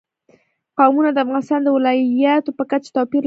قومونه د افغانستان د ولایاتو په کچه توپیر لري.